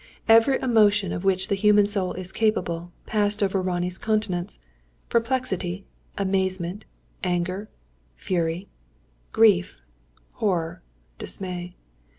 Every emotion of which the human soul is capable, passed over Ronnie's countenance perplexity, amazement, anger, fury; grief, horror, dismay.